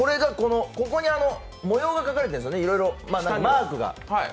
ここに模様が描かれているんですよね、いろいろマークが。